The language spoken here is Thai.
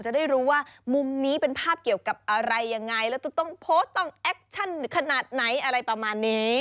จะได้รู้ว่ามุมนี้เป็นภาพเกี่ยวกับอะไรยังไงแล้วต้องโพสต์ต้องแอคชั่นขนาดไหนอะไรประมาณนี้